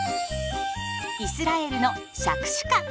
イスラエルのシャクシュカ。